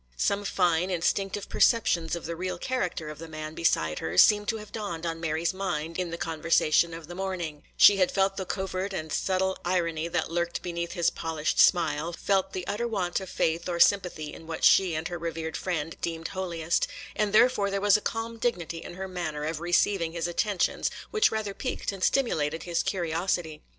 Some fine, instinctive perceptions of the real character of the man beside her seemed to have dawned on Mary's mind in the conversation of the morning;—she had felt the covert and subtile irony that lurked beneath his polished smile, felt the utter want of faith or sympathy in what she and her revered friend deemed holiest, and therefore there was a calm dignity in her manner of receiving his attentions which rather piqued and stimulated his curiosity.